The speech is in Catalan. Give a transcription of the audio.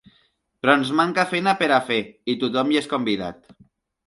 Però ens manca feina per a fer i tothom hi és convidat.